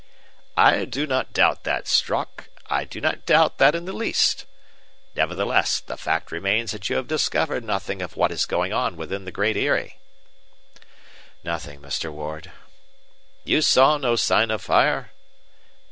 "I do not doubt that, Strock, I do not doubt that in the least. Nevertheless, the fact remains that you have discovered nothing of what is going on within the Great Eyrie." "Nothing, Mr. Ward." "You saw no sign of fire?"